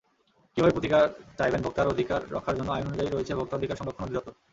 কীভাবে প্রতিকার চাইবেনভোক্তার অধিকার রক্ষার জন্য আইন অনুযায়ী রয়েছে ভোক্তা অধিকার সংরক্ষণ অধিদপ্তর।